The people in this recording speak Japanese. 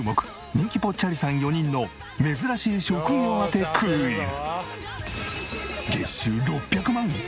人気ぽっちゃりさん４人の珍しい職業当てクイズ。